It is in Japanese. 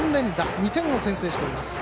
２点を先制しています。